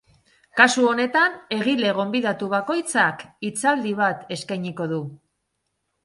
Kasu honetan, egile gonbidatu bakoitzak hitzaldi bat eskainiko du.